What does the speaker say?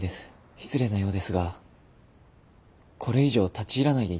失礼なようですがこれ以上立ち入らないでいただけますか？